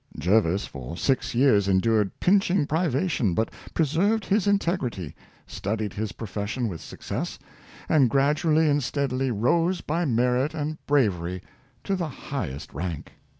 "" Jervis for six years endured pinching privation, but preserved his integrity, studied his profession with success, and gradually and steadily rose by merit and bravery to the highest rank.